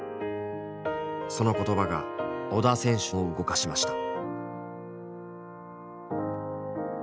その言葉が織田選手を動かしました。